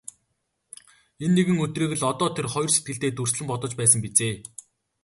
Энэ нэгэн өдрийг л одоо тэр хоёр сэтгэлдээ дүрслэн бодож байсан биз ээ.